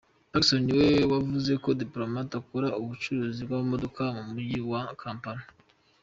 Pacson niwe wavuze ko Diplomate akora ubucuruzi bw’amamodoka mu mujyi wa Kampala.